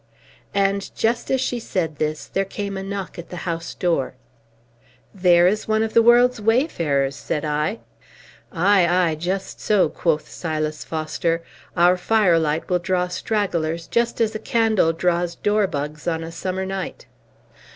And, just as she said this, there came a knock at the house door. "There is one of the world's wayfarers," said I. "Ay, ay, just so!" quoth Silas Foster. "Our firelight will draw stragglers, just as a candle draws dorbugs on a summer night."